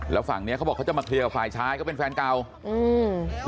แล้วฝั่งเนี้ยเขาบอกเขาจะมาเคลียร์กับฝ่ายชายก็เป็นแฟนเก่าอืม